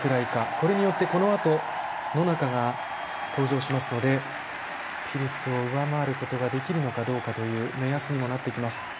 これによって、このあと野中が登場しますのでピルツを上回ることができるのかどうかという目安にもなってきます。